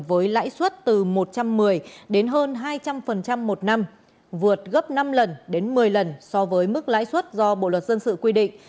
với lãi suất từ một trăm một mươi đến hơn hai trăm linh một năm vượt gấp năm lần đến một mươi lần so với mức lãi suất do bộ luật dân sự quy định